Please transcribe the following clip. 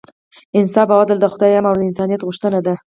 انصاف او عدل د خدای امر او د انسانیت غوښتنه ده.